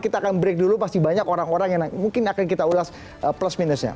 kita akan break dulu pasti banyak orang orang yang mungkin akan kita ulas plus minusnya